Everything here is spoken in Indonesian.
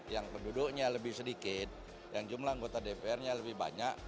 yang penduduknya lebih sedikit yang jumlah anggota dpr nya lebih banyak